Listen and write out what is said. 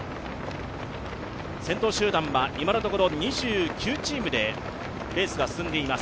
先頭集団は今のところ２９チームでレースが進んでいます。